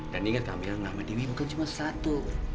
dan ingat kamil nggak sama dewi bukan cuma satu